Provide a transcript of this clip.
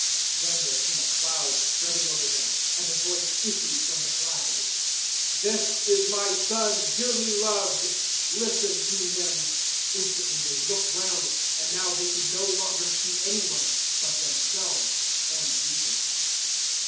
009:007 Then there came a cloud spreading over them, and a voice issued from the cloud, "This is my Son, dearly loved: listen to Him." 009:008 Instantly they looked round, and now they could no longer see any one, but themselves and Jesus.